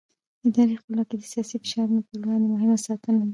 اداري خپلواکي د سیاسي فشارونو پر وړاندې مهمه ساتنه ده